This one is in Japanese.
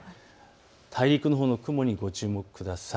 大陸のほうの雲にご注目ください。